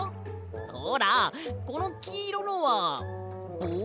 ほらこのきいろのはぼう？